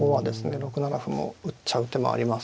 ６七歩も打っちゃう手もあります。